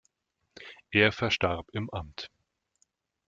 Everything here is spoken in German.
Er verstarb im Amt.